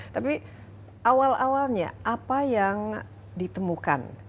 tapi awal awalnya apa yang ditemukan